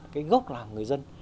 cái gốc là người dân